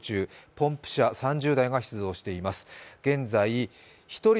ポンプ車３０台が出動しています。